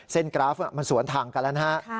กราฟมันสวนทางกันแล้วนะฮะ